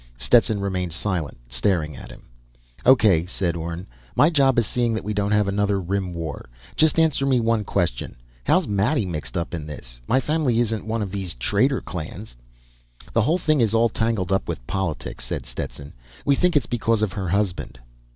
Stetson remained silent, staring at him. "O.K.," said Orne. "My job is seeing that we don't have another Rim War. Just answer me one question: How's Maddie mixed up in this? My family isn't one of these traitor clans." "This whole thing is all tangled up with politics," said Stetson. "We think it's because of her husband."